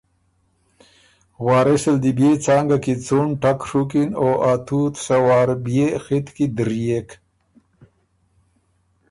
وارث ال دی بيې څانګه کی څُون ټک ڒُوکِن او ا تُوت سۀ وار بيې خِط کی دِريېک۔